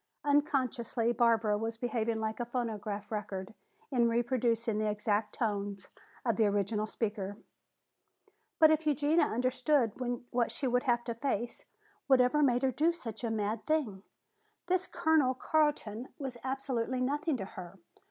Unconsciously Barbara was behaving like a phonograph record in reproducing the exact tones of the original speaker. "But if Eugenia understood what she would have to face, whatever made her do such a mad thing? This Colonel Carton was absolutely nothing to her.